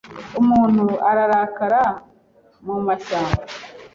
umuntu ararakara mumashyamba